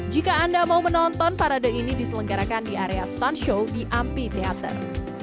jika anda mau menonton parade ini diselenggarakan di area stun show di ampi theater